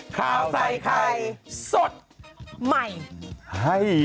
ข้าวไส้ไข่สดใหม่ให้เยอะ